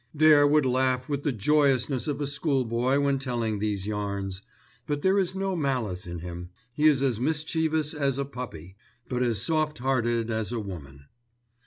Dare would laugh with the joyousness of a schoolboy when telling these yarns. But there is no malice in him. He is as mischievous as a puppy; but as soft hearted as a woman.